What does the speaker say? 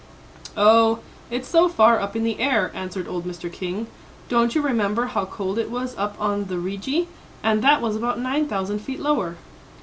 "Oh, it's so far up in the air," answered old Mr. King. "Don't you remember how cold it was up on the Rigi, and that was about nine thousand feet lower?"